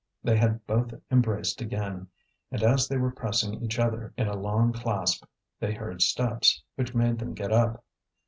They had both embraced again, and as they were pressing each other in a long clasp they heard steps, which made them get up.